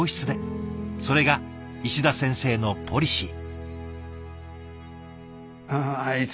それが石田先生のポリシー。